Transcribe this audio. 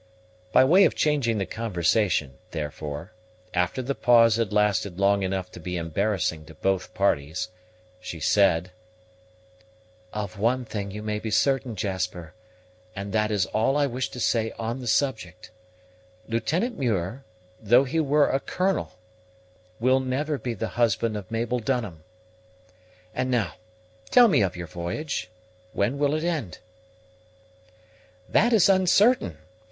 By way of changing the conversation, therefore, after the pause had lasted long enough to be embarrassing to both parties, she said, "Of one thing you may be certain, Jasper, and that is all I wish to say on the subject, Lieutenant Muir, though he were a colonel, will never be the husband of Mabel Dunham. And now, tell me of your voyage; when will it end?" "That is uncertain.